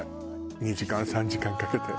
２時間３時間かけて。